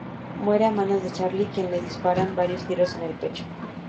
Muere a manos de Charlie, quien le dispara varios tiros en el pecho.